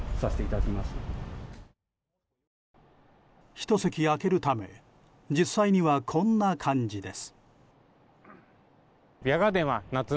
１席空けるため実際には、こんな感じです。